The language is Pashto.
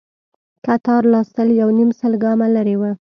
کتار لا سل يونيم سل ګامه لرې و.